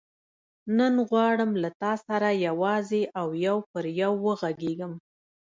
نن غواړم له تا سره یوازې او یو پر یو وغږېږم.